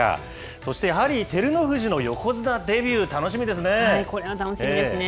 そしてやはり、照ノ富士の横綱デこれは楽しみですね。